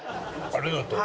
ありがとう！